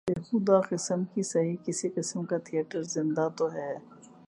بیہودہ ہی سہی کسی قسم کا تھیٹر زندہ تو ہے۔